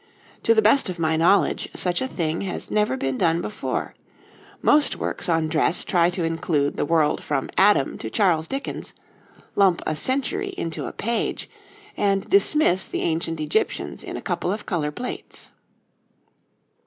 To the best of my knowledge, such a thing has never been done before; most works on dress try to include the world from Adam to Charles Dickens, lump a century into a page, and dismiss the ancient Egyptians in a couple of colour plates.